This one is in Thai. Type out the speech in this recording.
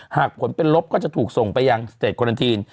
หากผลเป็นลบก็จะถูกส่งไปยังสเตจโคลันทีน